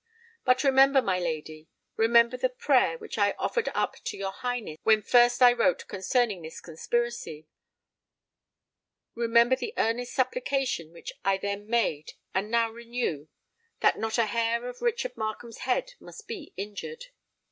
"But remember, my lady—remember the prayer which I offered up to your Highness when first I wrote concerning this conspiracy,—remember the earnest supplication which I then made and now renew,—that not a hair of Richard Markham's head must be injured!